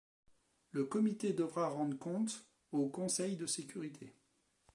Le comité devra rendre compte au Conseil de sécurité.